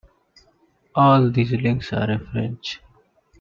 All these links are in French.